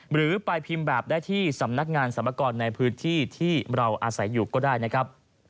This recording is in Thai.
หรือไปพิมพ์แบบได้ที่สำนักงานสรรพากรในพื้นที่ที่เราอาศัยอยู่ก็ได้นะครับ